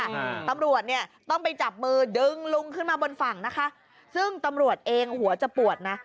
อ่าตำรวจเนี้ยต้องไปจับมือดึงลุงขึ้นมาบนฝั่งนะคะซึ่งตำรวจเองหัวจะปวดนะ